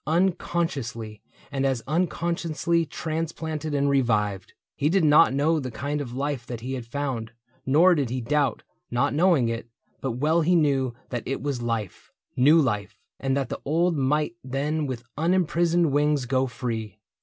Unconsciously, and as unconsciously Transplanted and revived. He did not know The kind of life that he had found, nor did He doubt, not knowing it ; but well he knew That it was life — new life, and that the old Might then with unimprisoned wings go free.